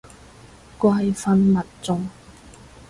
怪返民眾